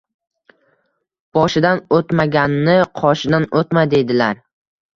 — Boshidan o‘tmaganni qoshidan o‘tma, deydilar.